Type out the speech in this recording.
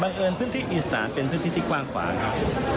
เอิญพื้นที่อีสานเป็นพื้นที่ที่กว้างกว่าครับ